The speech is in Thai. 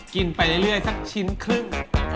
ไปเรื่อยสักชิ้นครึ่ง